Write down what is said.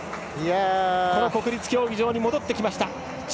この国立競技場に戻ってきました。